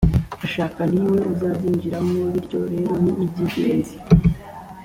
ashaka ni we uzabwinjiramo bityo rero ni iby ingenzi